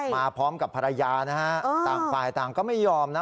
มาพร้อมกับภรรยานะฮะต่างฝ่ายต่างก็ไม่ยอมนะ